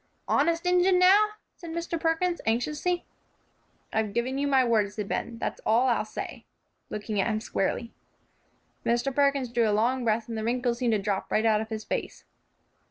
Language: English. "Honest Injun, now?" said Mr. Perkins, anxiously. "I've given you my word," said Ben; "that's all I'll say," looking at him squarely. Mr. Perkins drew a long breath, and the wrinkles seemed to drop right out of his face.